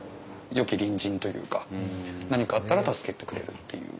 よき隣人というか何かあったら助けてくれるっていう。